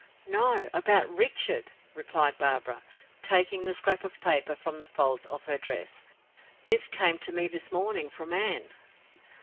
"No; about Richard," replied Barbara, taking the scrap of paper from the folds of her dress. "This came to me this morning from Anne."